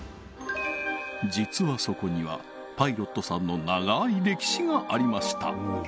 実はそこにはパイロットさんのながい歴史がありました